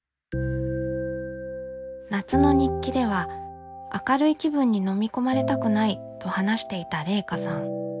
夏の日記では「明るい気分に飲み込まれたくない」と話していたれいかさん。